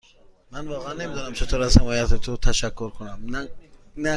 من واقعا نمی دانم چطور از حمایت تو تشکر کنم.